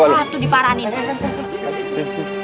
wah tuh diparanin